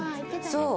そう。